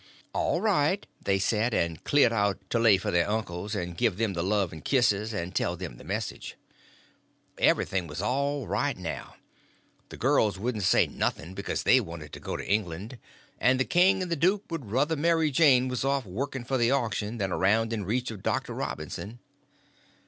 "All right," they said, and cleared out to lay for their uncles, and give them the love and the kisses, and tell them the message. Everything was all right now. The girls wouldn't say nothing because they wanted to go to England; and the king and the duke would ruther Mary Jane was off working for the auction than around in reach of Doctor Robinson.